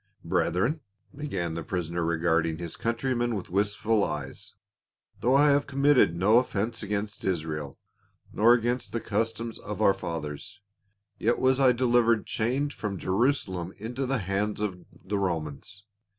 " Brethren," began the prisoner regarding his coun trymen with wistful eyes, " though I have committed no offense against Israel, nor against the customs of our fathers, yet was I delivered chained from Jt^rusalem 444 PA UL. into the hands of the Romans.